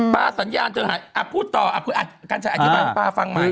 ป้าสัญญาณจะหายอ่ะพูดต่ออ่ะคุณกัญชัยอธิบายป้าฟังใหม่